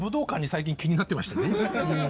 最近気になってましてね。